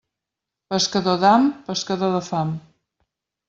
Pescador d'ham, pescador de fam.